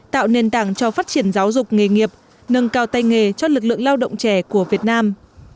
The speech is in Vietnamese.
tạo nền tảng cho phát triển giáo dục nghề nghiệp nâng cao tay nghề cho lực lượng lao động trẻ của việt nam